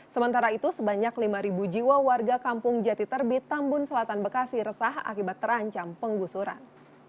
sementara itu sebanyak lima jiwa warga kampung jati terbit tambun selatan bekasi resah akibat terancam penggusuran